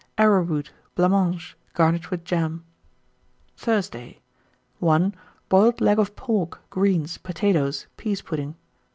Arrowroot, blancmange, garnished with jam. 1921. Thursday. 1. Boiled leg of pork, greens, potatoes, pease pudding.